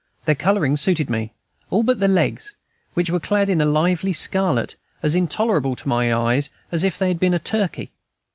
Their coloring suited me, all but the legs, which were clad in a lively scarlet, as intolerable to my eyes as if I had been a turkey.